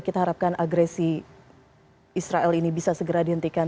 kita harapkan agresi israel ini bisa segera dihentikan